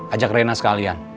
ajak rena sekalian